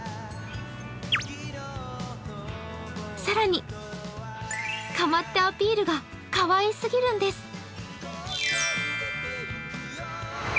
更に、かまってアピールがかわいすぎるんです。